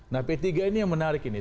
nah p tiga ini yang menarik ini